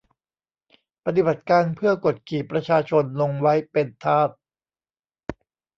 ปฏิบัติการเพื่อกดขี่ประชาชนลงไว้เป็นทาส